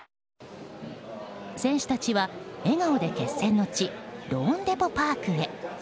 選手たちは笑顔で決戦の地ローンデポ・パークへ。